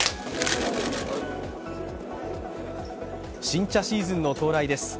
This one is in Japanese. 新茶シーズンの到来です。